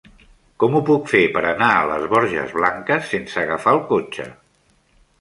Com ho puc fer per anar a les Borges Blanques sense agafar el cotxe?